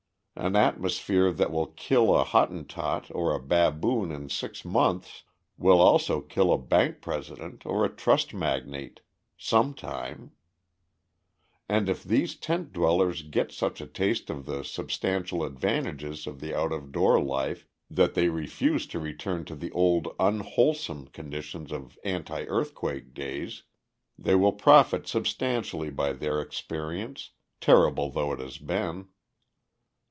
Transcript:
An atmosphere that will kill a Hottentot or a baboon in six months will also kill a bank president or a trust magnate sometime. And if these tent dwellers get such a taste of the substantial advantages of the out of door life that they refuse to return to the old unwholesome conditions of anti earthquake days, they will profit substantially by their experience, terrible though it has been.